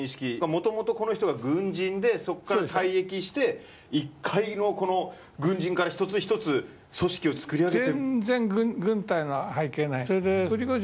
もともと、この人が軍人でそこから退役して一介の軍人から１つ１つ、組織を作り上げ手。